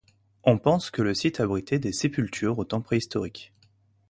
On pense que le site abritait des sépultures aux temps préhistoriques.